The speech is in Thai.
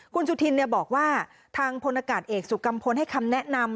คุณสุธินบอกว่าทางพลอากาศเอกสุกัมพลให้คำแนะนำ